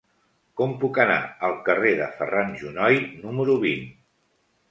Com puc anar al carrer de Ferran Junoy número vint?